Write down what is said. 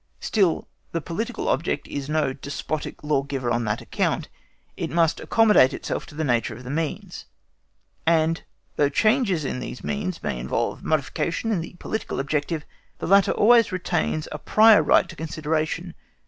Still, the political object is no despotic lawgiver on that account; it must accommodate itself to the nature of the means, and though changes in these means may involve modification in the political objective, the latter always retains a prior right to consideration.